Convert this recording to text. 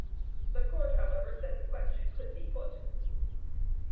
The court, however, said the question could be put.